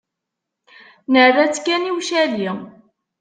Nerra-tt kan i ucali.